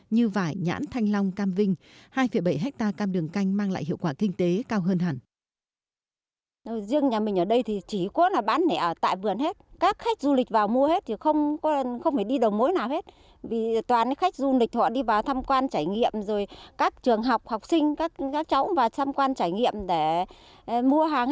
như vải nhãn thanh long cam vinh hai bảy hectare cam đường canh mang lại hiệu quả kinh tế cao hơn hẳn